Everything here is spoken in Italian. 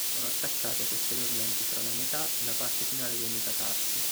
Sono attaccate posteriormente tra la metà e la parte finale dei metatarsi.